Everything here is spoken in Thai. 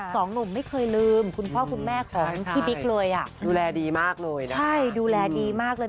สองหนุ่มไม่เคยลืมคุณพ่อคุณแม่ของพี่บิ๊กเลยอ่ะดูแลดีมากเลยนะใช่ดูแลดีมากเลย